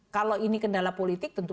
kalau ini kendala politik tentu